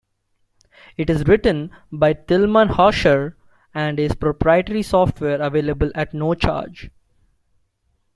It is written by Tilman Hausherr and is proprietary software available at no charge.